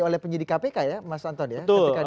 oleh penyidik kpk ya mas anton ya ketika